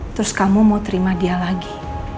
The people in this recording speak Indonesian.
terus kamu mau terima dia lagi